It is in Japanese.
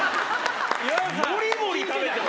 モリモリ食べてる。